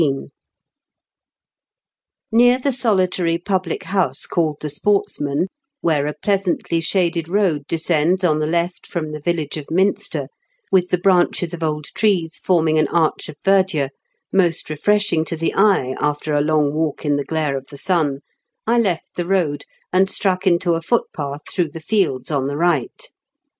Near the solitary public house called The Sportsman, where a pleasantly shaded road descends on the left from the village of Minster, with the branches of old trees form ing an arch of verdure most refreshing to the eye after a long walk in the glare of the sun, I left the road, and struck into a foot path through the fields on the right.